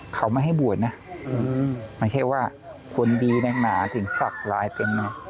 เขาไม่ให้บวดนะไม่ใช่ว่าคนดีน่างหนาถึงศักราชว์หลายเป็น